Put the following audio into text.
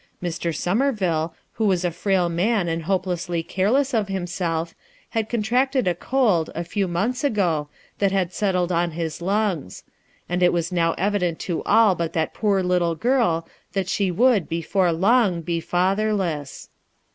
Sir. Somerville, who was a frail man and hopelessly careless of himself, had contracted a cold, a few months ago, that had settled on his lungs ; and it was now evident to all but that poor little girl that she would, before long, be fatherless.